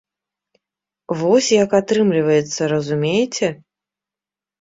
Вось, як атрымліваецца, разумееце?